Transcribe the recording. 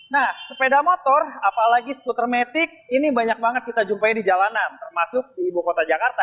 nah sepeda motor apalagi skuter metik ini banyak banget kita jumpai di jalanan termasuk di ibu kota jakarta